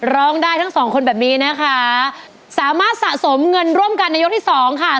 ร้องได้ทั้งสองคนแบบนี้นะคะสามารถสะสมเงินร่วมกันในยกที่สองค่ะ